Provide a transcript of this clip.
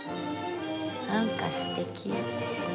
何かすてき。